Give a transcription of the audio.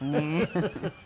フフフフ。